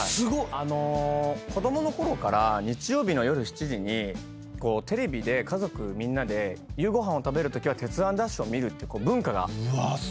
子供のころから日曜日の夜７時にテレビで家族みんなで夕ご飯を食べるときは『鉄腕！ＤＡＳＨ‼』を見るって文化があって。